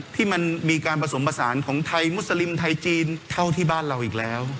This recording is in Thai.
ที่มันมีการผสมผสานของไทยมุสลิมไทยจีนเท่าที่บ้านเราอีกแล้ว